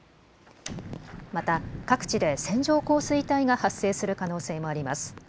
また各地で線状降水帯が発生する可能性もあります。